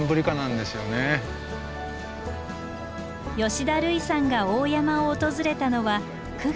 吉田類さんが大山を訪れたのは９月中旬。